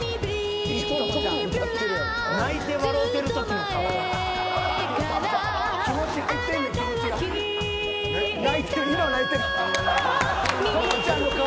泣いてわろうてるときの顔。